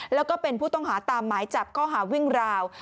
แล้วก็เป็นผู้ต้องหาตามหมายจับข้อหาวิ่งราว